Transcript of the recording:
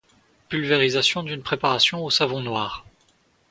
Pulvérisation d'une préparation au savon noir.